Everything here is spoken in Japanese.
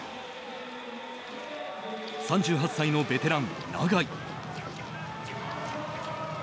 ３８歳のベテラン永井。